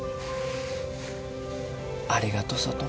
ありがとう佐都。